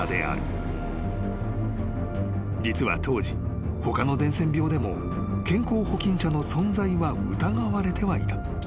［実は当時他の伝染病でも健康保菌者の存在は疑われてはいた］